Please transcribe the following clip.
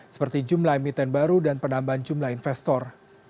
seperti jumlah emiten baru dan penambahan jumlah investor